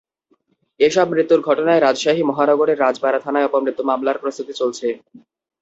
এসব মৃত্যুর ঘটনায় রাজশাহী নগরের রাজপাড়া থানায় অপমৃত্যু মামলার প্রস্তুতি চলছে।